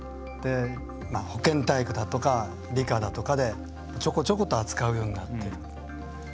保健体育だとか理科だとかでちょこちょこと扱うようになっている。